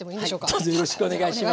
はいどうぞよろしくお願いします。